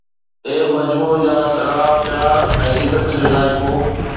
اي مجمع جا سر! پيار ۽ عزت جو ذائقو؟